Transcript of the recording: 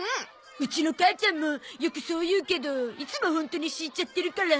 うちの母ちゃんもよくそう言うけどいつもホントに敷いちゃってるから。